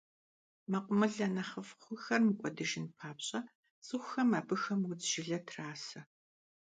Мэкъумылэ нэхъыфӀ хъухэр мыкӀуэдыжын папщӀэ, цӀыхухэм абыхэм удз жылэ трасэ.